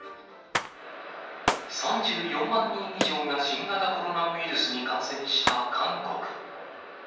３４万人以上が新型コロナウイルスに感染した韓国。